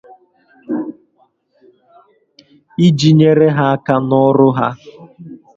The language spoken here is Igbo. iji nyere ha aka n'ọrụ ha